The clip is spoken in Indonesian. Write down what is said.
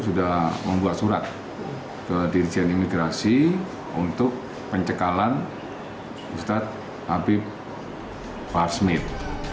sudah membuat surat ke dirjen imigrasi untuk pencekalan ustadz habib far smith